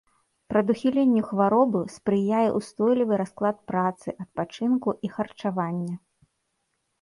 Прадухіленню хваробы спрыяе ўстойлівы расклад працы, адпачынку і харчавання.